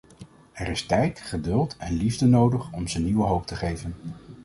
Er is tijd, geduld en liefde nodig om ze nieuwe hoop te geven.